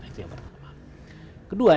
itu yang pertama kedua